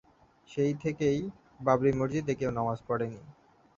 সেই থেকেই বাবরি মসজিদে কেউ নামাজ পড়ে নি।